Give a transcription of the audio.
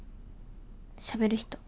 しゃべる人。